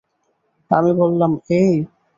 আমি বললাম, এই!